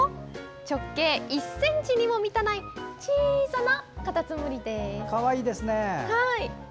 直径１ｃｍにも満たない小さなカタツムリです。